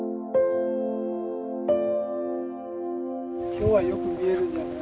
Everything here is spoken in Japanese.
今日はよく見えるんじゃない？